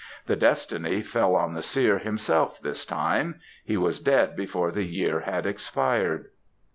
The destiny fell on the seer himself this time; he was dead before the year had expired.